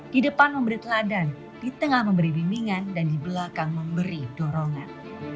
di depan memberi teladan di tengah memberi bimbingan dan di belakang memberi dorongan